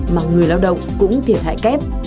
mà người lao động cũng thiệt hại kép